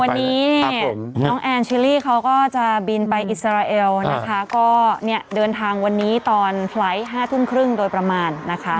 วันนี้น้องแอนชิลลี่เขาก็จะบินไปอิสราเอลนะคะก็เนี่ยเดินทางวันนี้ตอนไฟล์ท๕ทุ่มครึ่งโดยประมาณนะคะ